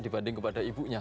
dibanding kepada ibunya